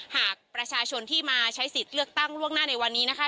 หากประชาชนที่มาใช้สิทธิ์เลือกตั้งล่วงหน้าในวันนี้นะคะ